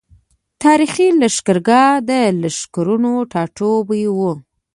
تاريخي لښکرګاه د لښکرونو ټاټوبی وو۔